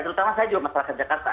terutama saya juga masalah ke jakarta